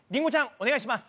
お願いします！